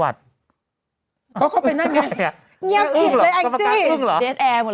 หวัดเค้าไปแล้ว